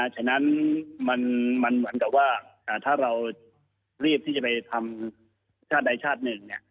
ฉะนั้นมันเหมือนกับว่าถ้าเรารีบที่จะไปทำชาติใดชาติหนึ่ง